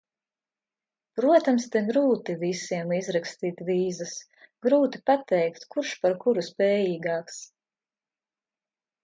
Protams, te grūti visiem izrakstīt vīzas, grūti pateikt, kurš par kuru spējīgāks.